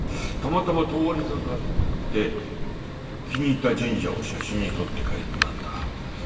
たまたま通りかかって気に入った神社を写真に撮って帰ったんだ。